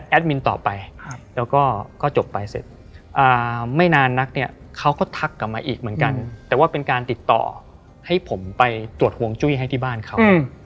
มินต่อไปแล้วก็จบไปเสร็จไม่นานนักเนี่ยเขาก็ทักกลับมาอีกเหมือนกันแต่ว่าเป็นการติดต่อให้ผมไปตรวจห่วงจุ้ยให้ที่บ้านเขา